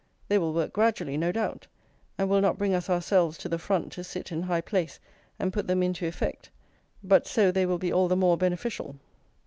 They will work gradually, no doubt, and will not bring us ourselves to the front to sit in high place and put them into effect; but so they will be all the more beneficial.